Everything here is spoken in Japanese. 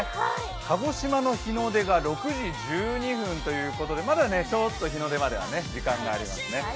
鹿児島の日の出が６時１２分ということで、まだちょっと日の出までは時間がありますね。